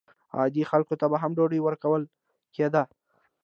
عادي خلکو ته به هم ډوډۍ ورکول کېده.